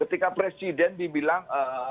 ketika presiden dibilang